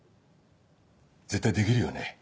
絶対できるよね？